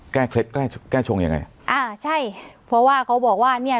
เคล็ดแก้แก้ชงยังไงอ่าใช่เพราะว่าเขาบอกว่าเนี้ย